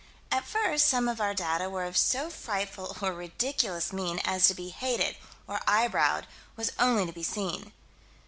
At first some of our data were of so frightful or ridiculous mien as to be hated, or eyebrowed, was only to be seen.